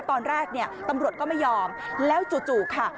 ตอนแรกเนี่ยตำรวจก็ไม่ยอมแล้วจู่ค่ะ